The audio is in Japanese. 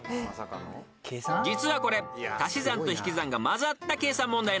［実はこれ足し算と引き算が交ざった計算問題なんですが］